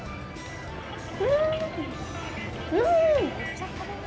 うんうん！